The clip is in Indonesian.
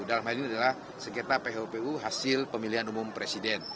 dalam hal ini adalah sengketa phpu hasil pemilihan umum presiden